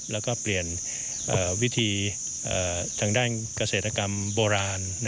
แล้วก็เปลี่ยนวิธีทางด้านเกษตรกรรมโบราณ